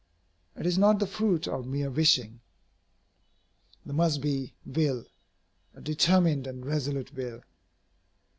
It is not the fruit of mere wishing. There must be will, A DETERMINED AND RESOLUTE WILL.